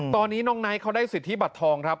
ตอนนี้น้องไนท์เขาได้สิทธิบัตรทองครับ